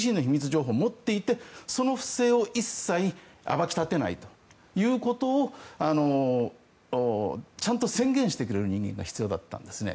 情報も持っていてその不正を一切暴き立てないということをちゃんと宣言してくれる人間が必要だったんですね。